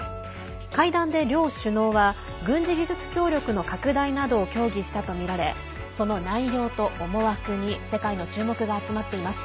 会談で両首脳は軍事技術協力の拡大などを協議したとみられその内容と思惑に世界の注目が集まっています。